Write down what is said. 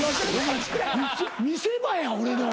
見せ場や俺の。